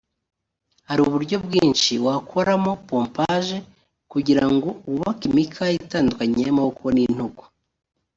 Hari uburyo bwinshi wakoramo pompaje kugirango wubake imikaya itandukanye y’amaboko n’intugu